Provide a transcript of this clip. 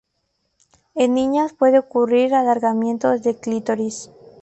En niñas puede ocurrir alargamiento del clítoris.